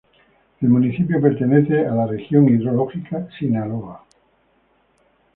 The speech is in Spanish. El municipio pertenece a la región hidrológica Sinaloa.